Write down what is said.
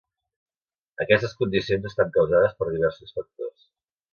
Aquestes condicions estan causades per diversos factors.